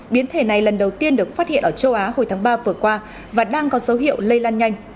biến thể này lần đầu tiên được phát hiện ở châu á hồi tháng ba vừa qua và đang có dấu hiệu lây lan nhanh